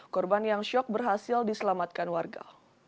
korban yang syok berhasil diselamatkan warga